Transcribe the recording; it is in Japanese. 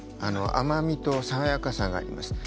甘みと爽やかさがあります。